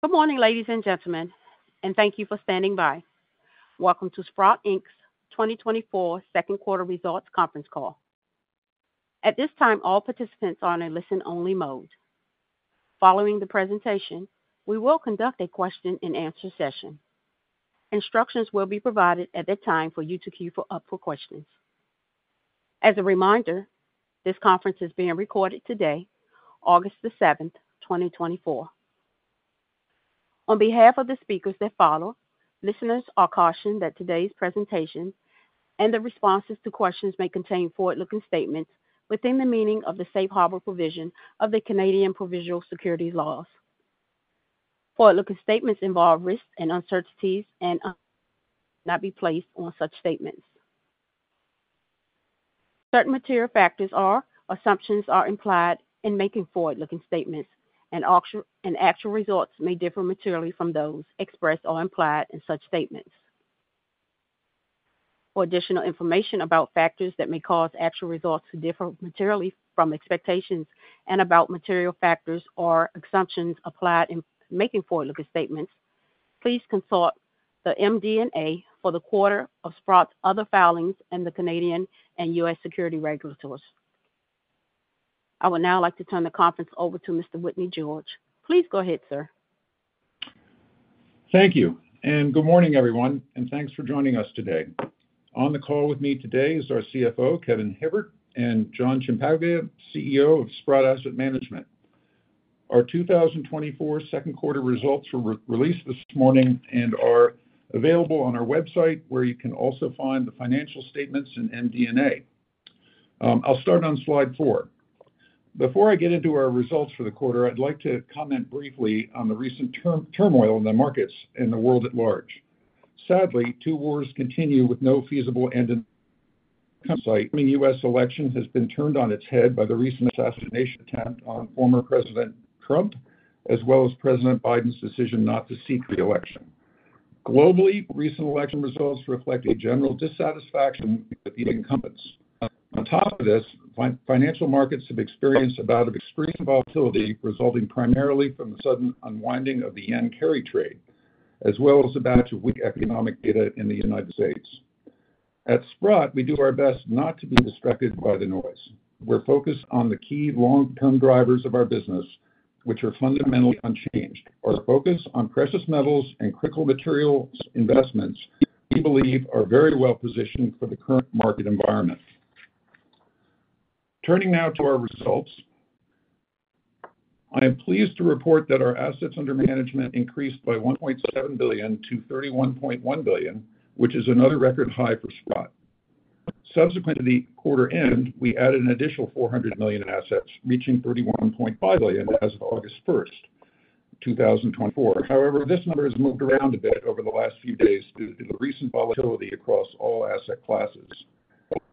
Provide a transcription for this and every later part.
Good morning, ladies and gentlemen, and thank you for standing by. Welcome to Sprott Inc's 2024 second quarter results conference call. At this time, all participants are in a listen-only mode. Following the presentation, we will conduct a question-and-answer session. Instructions will be provided at that time for you to queue up for questions. As a reminder, this conference is being recorded today, August 7, 2024. On behalf of the speakers that follow, listeners are cautioned that today's presentation and the responses to questions may contain forward-looking statements within the meaning of the safe harbor provision of the Canadian provincial securities laws. Forward-looking statements involve risks and uncertainties, and not be placed on such statements. Certain material factors or assumptions are implied in making forward-looking statements, and actual results may differ materially from those expressed or implied in such statements. For additional information about factors that may cause actual results to differ materially from expectations and about material factors or assumptions applied in making forward-looking statements, please consult the MD&A for the quarter and Sprott's other filings with the Canadian and U.S. securities regulators. I would now like to turn the conference over to Mr. Whitney George. Please go ahead, sir. Thank you. Good morning, everyone, and thanks for joining us today. On the call with me today is our CFO, Kevin Hibbert, and John Ciampaglia, CEO of Sprott Asset Management. Our 2024 second quarter results were released this morning and are available on our website, where you can also find the financial statements and MD&A. I'll start on slide 4. Before I get into our results for the quarter, I'd like to comment briefly on the recent turmoil in the markets and the world at large. Sadly, two wars continue with no feasible end in sight. The upcoming U.S. election has been turned on its head by the recent assassination attempt on former President Trump, as well as President Biden's decision not to seek reelection. Globally, recent election results reflect a general dissatisfaction with the incumbents. On top of this, financial markets have experienced a bout of extreme volatility, resulting primarily from the sudden unwinding of the yen carry trade, as well as a batch of weak economic data in the United States. At Sprott, we do our best not to be distracted by the noise. We're focused on the key long-term drivers of our business, which are fundamentally unchanged. Our focus on precious metals and critical materials investments, we believe, are very well positioned for the current market environment. Turning now to our results, I am pleased to report that our assets under management increased by $1.7 billion to $31.1 billion, which is another record high for Sprott. Subsequent to the quarter end, we added an additional $400 million in assets, reaching $31.5 billion as of August 1, 2024. However, this number has moved around a bit over the last few days due to the recent volatility across all asset classes.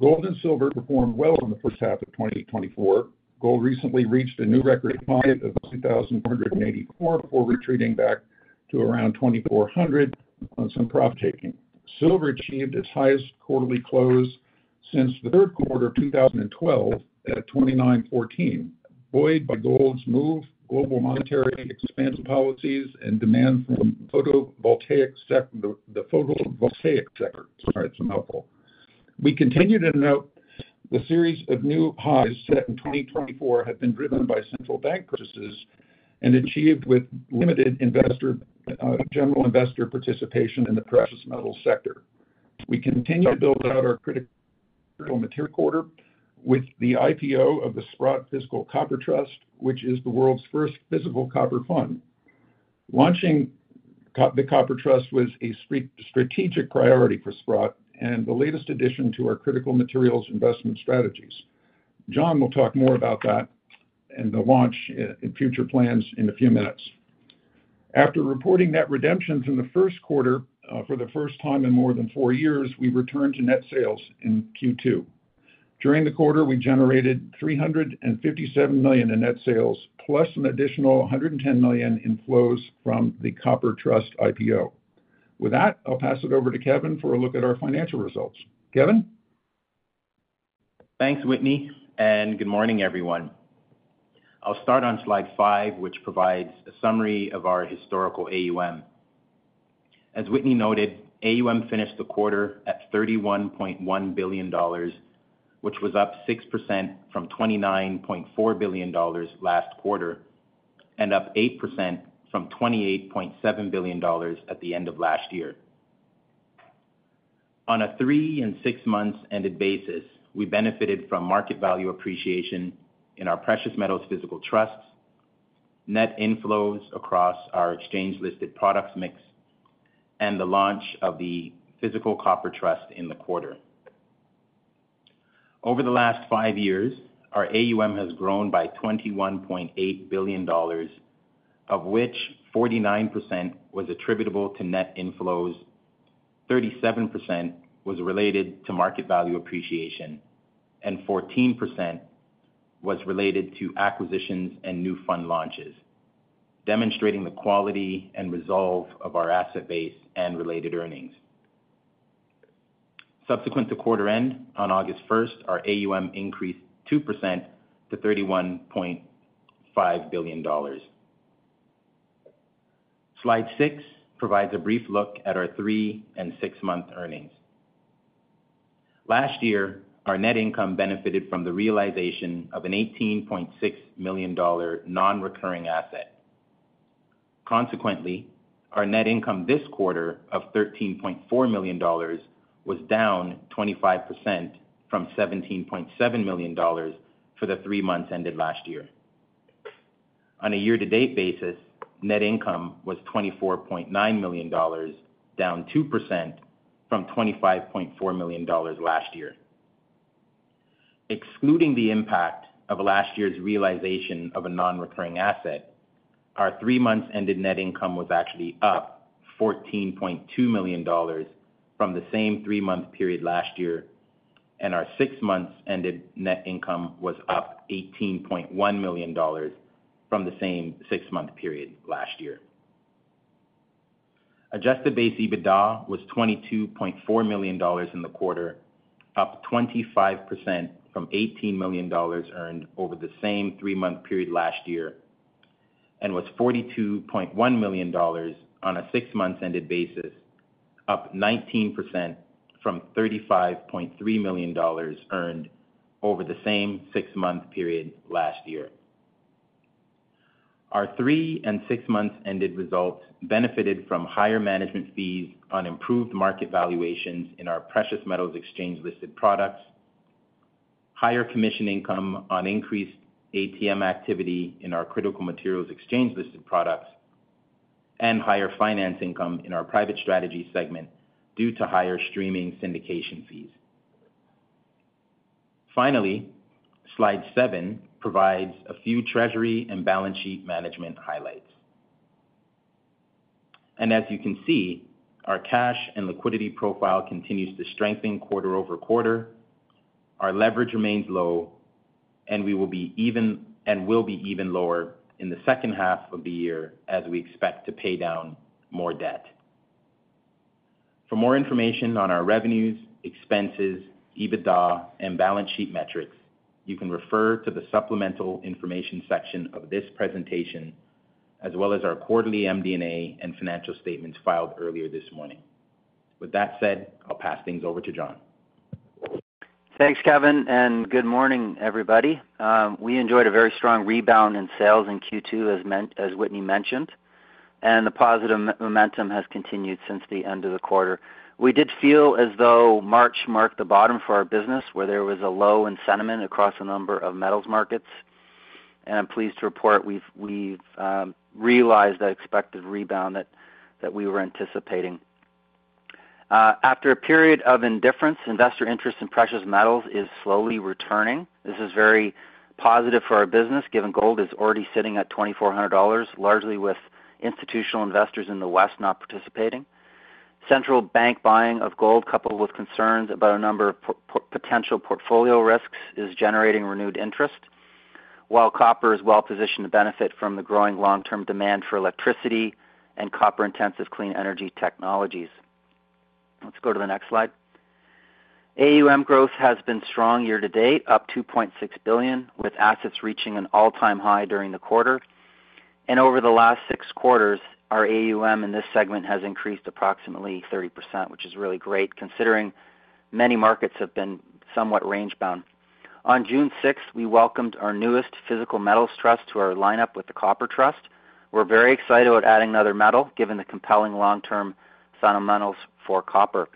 Gold and silver performed well in the first half of 2024. Gold recently reached a new record high of $2,384 before retreating back to around $2,400 on some profit-taking. Silver achieved its highest quarterly close since the third quarter of 2012 at $29.14. Buoyed by gold's move, global monetary expansion policies and demand from the photovoltaic sector. We continue to note the series of new highs set in 2024 have been driven by central bank purchases and achieved with limited investor, general investor participation in the precious metal sector. We continue to build out our critical material quarter with the IPO of the Sprott Physical Copper Trust, which is the world's first physical copper fund. Launching the Copper Trust was a strategic priority for Sprott and the latest addition to our critical materials investment strategies. John will talk more about that and the launch in future plans in a few minutes. After reporting net redemptions in the first quarter for the first time in more than four years, we returned to net sales in Q2. During the quarter, we generated $357 million in net sales, plus an additional $110 million in flows from the Copper Trust IPO. With that, I'll pass it over to Kevin for a look at our financial results. Kevin? Thanks, Whitney, and good morning, everyone. I'll start on slide five, which provides a summary of our historical AUM. As Whitney noted, AUM finished the quarter at $31.1 billion, which was up 6% from $29.4 billion last quarter, and up 8% from $28.7 billion at the end of last year. On a 3- and 6-months ended basis, we benefited from market value appreciation in our precious metals physical trusts, net inflows across our exchange-listed products mix, and the launch of the Physical Copper Trust in the quarter. Over the last five years, our AUM has grown by $21.8 billion, of which 49% was attributable to net inflows, 37% was related to market value appreciation, and 14% was related to acquisitions and new fund launches, demonstrating the quality and resolve of our asset base and related earnings. Subsequent to quarter end, on August 1st, our AUM increased 2% to $31.5 billion. Slide 6 provides a brief look at our 3- and 6-month earnings. Last year, our net income benefited from the realization of an $18.6 million-dollar non-recurring asset. Consequently, our net income this quarter of $13.4 million was down 25% from $17.7 million for the three months ended last year. On a year-to-date basis, net income was $24.9 million, down 2% from $25.4 million last year. Excluding the impact of last year's realization of a non-recurring asset, our three months ended net income was actually up $14.2 million from the same 3-month period last year, and our six months ended net income was up $18.1 million from the same 6-month period last year. Adjusted base EBITDA was $22.4 million in the quarter, up 25% from $18 million earned over the same 3-month period last year, and was $42.1 million on a 6-month ended basis, up 19% from $35.3 million earned over the same 6-month period last year. Our 3- and 6-months ended results benefited from higher management fees on improved market valuations in our precious metals exchange-listed products, higher commission income on increased ATM activity in our critical materials exchange-listed products, and higher finance income in our Private Strategies segment due to higher streaming syndication fees. Finally, slide 7 provides a few treasury and balance sheet management highlights. As you can see, our cash and liquidity profile continues to strengthen quarter-over-quarter. Our leverage remains low, and we will be even lower in the second half of the year as we expect to pay down more debt. For more information on our revenues, expenses, EBITDA, and balance sheet metrics, you can refer to the supplemental information section of this presentation, as well as our quarterly MD&A and financial statements filed earlier this morning. With that said, I'll pass things over to John. Thanks, Kevin, and good morning, everybody. We enjoyed a very strong rebound in sales in Q2, as Whitney mentioned, and the positive momentum has continued since the end of the quarter. We did feel as though March marked the bottom for our business, where there was a low in sentiment across a number of metals markets. And I'm pleased to report we've realized that expected rebound that we were anticipating. After a period of indifference, investor interest in precious metals is slowly returning. This is very positive for our business, given gold is already sitting at $2,400, largely with institutional investors in the West not participating. Central bank buying of gold, coupled with concerns about a number of potential portfolio risks, is generating renewed interest, while copper is well positioned to benefit from the growing long-term demand for electricity and copper-intensive clean energy technologies. Let's go to the next slide. AUM growth has been strong year to date, up $2.6 billion, with assets reaching an all-time high during the quarter. Over the last six quarters, our AUM in this segment has increased approximately 30%, which is really great considering many markets have been somewhat range-bound. On June 6th, we welcomed our newest physical metals trust to our lineup with the Copper Trust. We're very excited about adding another metal, given the compelling long-term fundamentals for copper.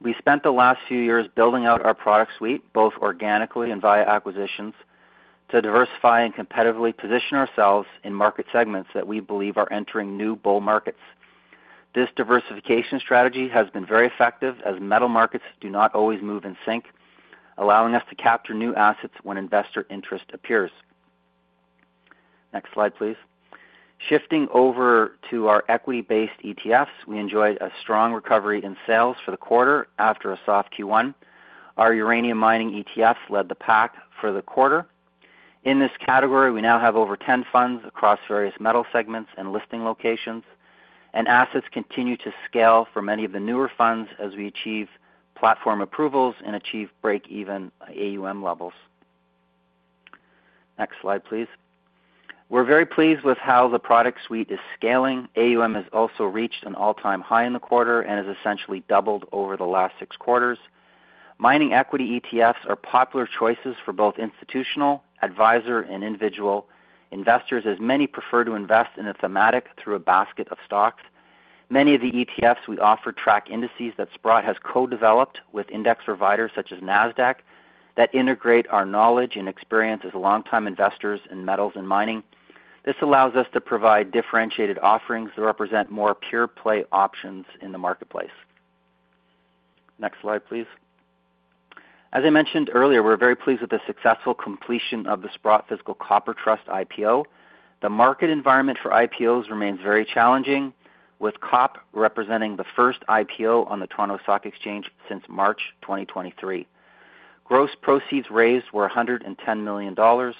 We spent the last few years building out our product suite, both organically and via acquisitions, to diversify and competitively position ourselves in market segments that we believe are entering new bull markets. This diversification strategy has been very effective, as metal markets do not always move in sync, allowing us to capture new assets when investor interest appears. Next slide, please. Shifting over to our equity-based ETFs, we enjoyed a strong recovery in sales for the quarter after a soft Q1. Our uranium mining ETFs led the pack for the quarter. In this category, we now have over 10 funds across various metal segments and listing locations, and assets continue to scale for many of the newer funds as we achieve platform approvals and achieve break-even AUM levels. Next slide, please. We're very pleased with how the product suite is scaling. AUM has also reached an all-time high in the quarter and has essentially doubled over the last six quarters. Mining equity ETFs are popular choices for both institutional, advisor, and individual investors, as many prefer to invest in a thematic through a basket of stocks. Many of the ETFs we offer track indices that Sprott has co-developed with index providers, such as Nasdaq, that integrate our knowledge and experience as longtime investors in metals and mining. This allows us to provide differentiated offerings that represent more pure-play options in the marketplace. Next slide, please. As I mentioned earlier, we're very pleased with the successful completion of the Sprott Physical Copper Trust IPO. The market environment for IPOs remains very challenging, with COP representing the first IPO on the Toronto Stock Exchange since March 2023. Gross proceeds raised were $110 million,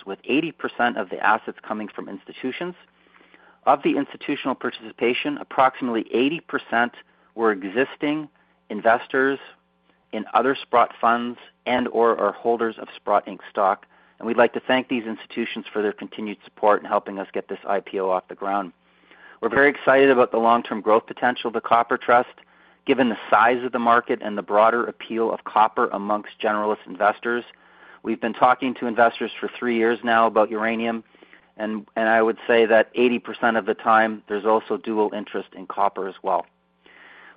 with 80% of the assets coming from institutions. Of the institutional participation, approximately 80% were existing investors in other Sprott funds and or are holders of Sprott Inc. stock, and we'd like to thank these institutions for their continued support in helping us get this IPO off the ground. We're very excited about the long-term growth potential of the Copper Trust, given the size of the market and the broader appeal of copper among generalist investors. We've been talking to investors for three years now about uranium, and I would say that 80% of the time, there's also dual interest in copper as well.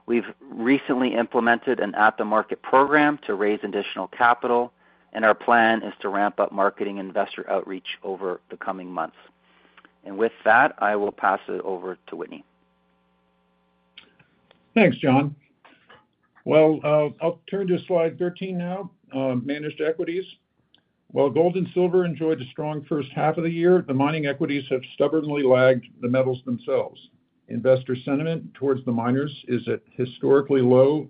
We've recently implemented an at-the-market program to raise additional capital, and our plan is to ramp up marketing investor outreach over the coming months. With that, I will pass it over to Whitney. Thanks, John. Well, I'll turn to slide 13 now, Managed Equities. While gold and silver enjoyed a strong first half of the year, the mining equities have stubbornly lagged the metals themselves. Investor sentiment towards the miners is at historically low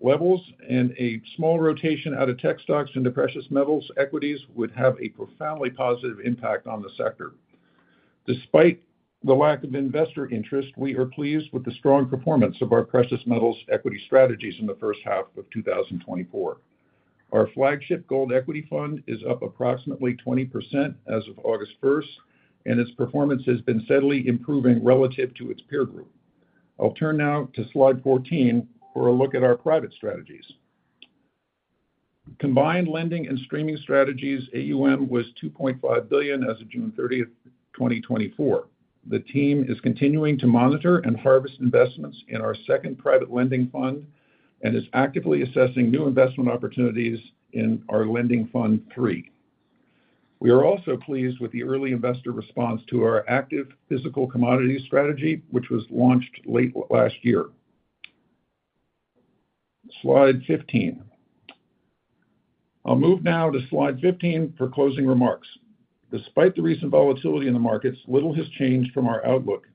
levels, and a small rotation out of tech stocks into precious metals equities would have a profoundly positive impact on the sector. Despite the lack of investor interest, we are pleased with the strong performance of our precious metals equity strategies in the first half of 2024. Our flagship gold equity fund is up approximately 20% as of August 1, and its performance has been steadily improving relative to its peer group. I'll turn now to slide 14 for a look at our Private Strategies. Combined lending and streaming strategies AUM was $2.5 billion as of June 30, 2024. The team is continuing to monitor and harvest investments in our second private lending fund and is actively assessing new investment opportunities in our Lending Fund III. We are also pleased with the early investor response to our Active Physical Commodity Strategy, which was launched late last year. Slide 15. I'll move now to slide 15 for closing remarks. Despite the recent volatility in the markets, little has changed from our outlook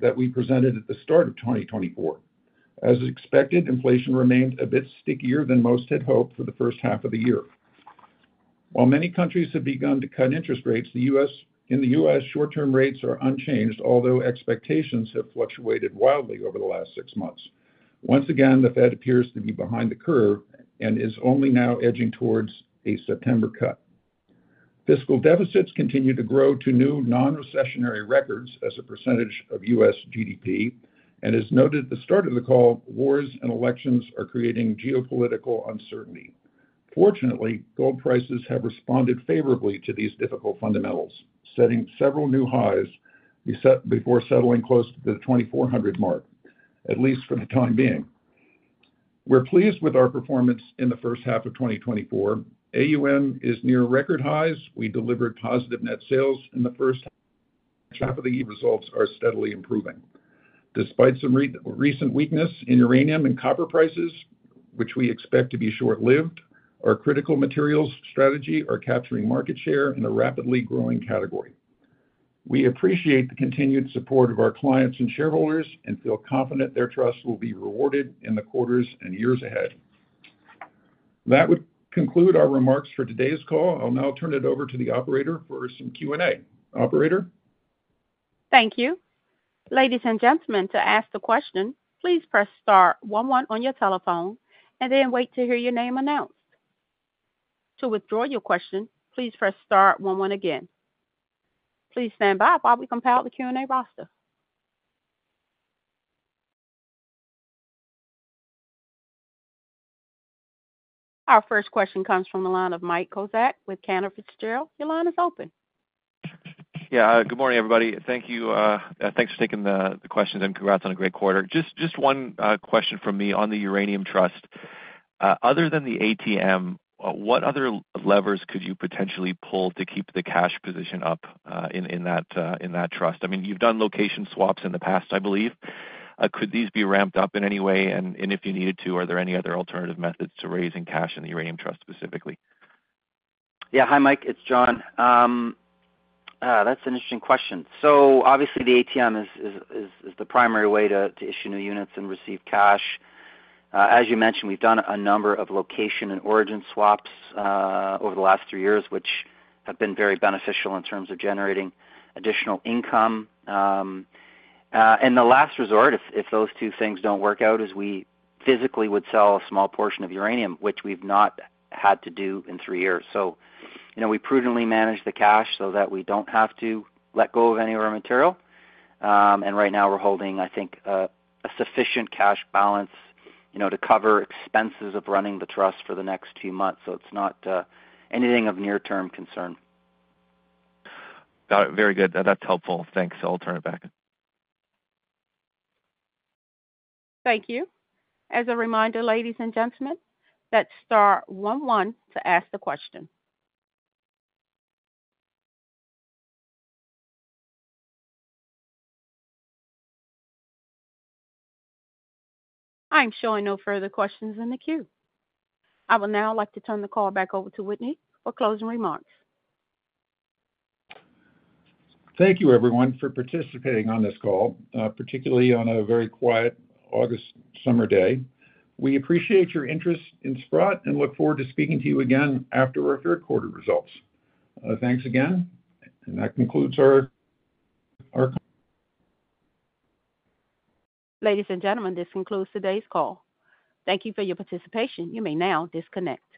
that we presented at the start of 2024. As expected, inflation remained a bit stickier than most had hoped for the first half of the year. While many countries have begun to cut interest rates, in the U.S., short-term rates are unchanged, although expectations have fluctuated wildly over the last six months. Once again, the Fed appears to be behind the curve and is only now edging towards a September cut. Fiscal deficits continue to grow to new non-recessionary records as a percentage of U.S. GDP, and as noted at the start of the call, wars and elections are creating geopolitical uncertainty. Fortunately, gold prices have responded favorably to these difficult fundamentals, setting several new highs before settling close to the $2,400 mark, at least for the time being. We're pleased with our performance in the first half of 2024. AUM is near record highs. We delivered positive net sales in the first half of the year, results are steadily improving. Despite some recent weakness in uranium and copper prices, which we expect to be short-lived, our critical materials strategy are capturing market share in a rapidly growing category. We appreciate the continued support of our clients and shareholders and feel confident their trust will be rewarded in the quarters and years ahead. That would conclude our remarks for today's call. I'll now turn it over to the operator for some Q&A. Operator? Thank you. Ladies and gentlemen, to ask the question, please press star one one on your telephone and then wait to hear your name announced. To withdraw your question, please press star one one again. Please stand by while we compile the Q&A roster. Our first question comes from the line of Mike Kozak with Cantor Fitzgerald. Your line is open. Yeah, good morning, everybody. Thank you, thanks for taking the question, and congrats on a great quarter. Just one question from me on the Uranium Trust. Other than the ATM, what other levers could you potentially pull to keep the cash position up in that trust? I mean, you've done location swaps in the past, I believe. Could these be ramped up in any way? And if you needed to, are there any other alternative methods to raising cash in the Uranium Trust specifically? Yeah. Hi, Mike, it's John. That's an interesting question. So obviously, the ATM is the primary way to issue new units and receive cash. As you mentioned, we've done a number of location and origin swaps over the last three years, which have been very beneficial in terms of generating additional income. And the last resort, if those two things don't work out, is we physically would sell a small portion of uranium, which we've not had to do in three years. So, you know, we prudently manage the cash so that we don't have to let go of any of our material. And right now we're holding, I think, a sufficient cash balance, you know, to cover expenses of running the trust for the next two months. So it's not anything of near-term concern. Got it. Very good. That's helpful. Thanks. I'll turn it back. Thank you. As a reminder, ladies and gentlemen, that's star one one to ask the question. I'm showing no further questions in the queue. I would now like to turn the call back over to Whitney for closing remarks. Thank you, everyone, for participating on this call, particularly on a very quiet August summer day. We appreciate your interest in Sprott and look forward to speaking to you again after our third quarter results. Thanks again, and that concludes our. Ladies and gentlemen, this concludes today's call. Thank you for your participation. You may now disconnect.